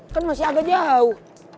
kan masih agak jauh